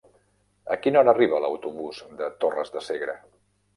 A quina hora arriba l'autobús de Torres de Segre?